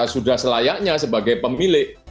sudah selayaknya sebagai pemilik